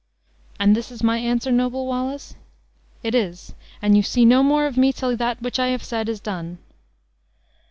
"And this is my answer, noble Wallace?" "It is; and you see no more of me till that which I have said is done."